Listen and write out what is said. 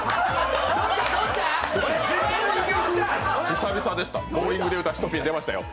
久々でした？